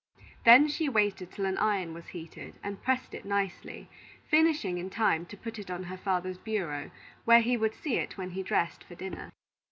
Then she waited till an iron was heated, and pressed it nicely, finishing in time to put it on her father's bureau, where he would see it when he dressed for dinner.